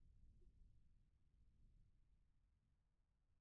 Aurrekontuen Legean ezartzen da pentsio horien zenbatekoa.